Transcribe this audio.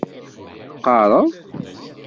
Teqqareḍ?